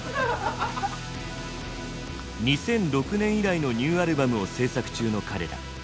２００６年以来のニューアルバムを制作中の彼ら。